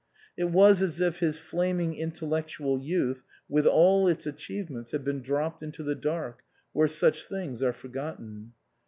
It was as if his flaming intellectual youth, with all its achievements, had been dropped into the dark, where such things are forgotten.